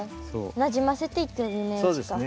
なじませていってるイメージか。